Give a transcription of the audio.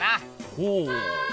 ほう！